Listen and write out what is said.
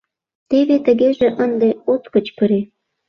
— Теве тыгеже ынде от кычкыре!